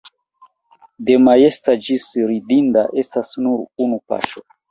De majesta ĝis ridinda estas nur unu paŝo.